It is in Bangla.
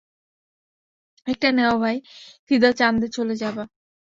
একটা নেও ভাই, সিদা চাঁন্দে চলে যাবা।